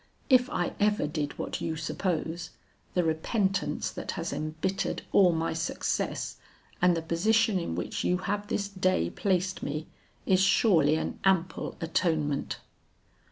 'If I ever did what you suppose, the repentance that has embittered all my success, and the position in which you have this day placed me, is surely an ample atonement.'